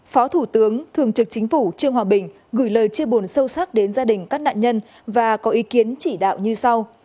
phó thủ tướng thường trực chính phủ trương hòa bình gửi lời chia buồn sâu sắc đến gia đình các nạn nhân và có ý kiến chỉ đạo như sau